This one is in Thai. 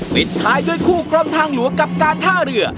ปิดท้ายด้วยคู่กรมทางหลวงกับการท่าเรือ